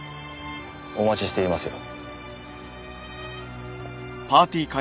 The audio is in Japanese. お待ちしていますよ。